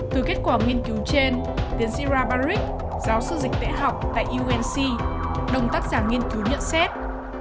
từ kết quả nghiên cứu trên đến zira barik giáo sư dịch tệ học tại unc đồng tác giả nghiên cứu nhận xét